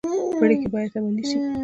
پریکړې باید عملي شي